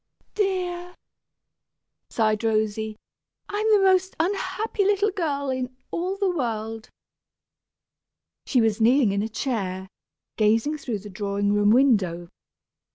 dear," sighed Rosy, "I'm the most unhappy little girl in all the world." She was kneeling in a chair, gazing through the drawing room window.